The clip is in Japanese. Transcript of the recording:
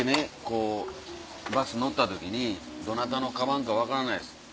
こうバス乗った時にどなたのカバンか分からないです。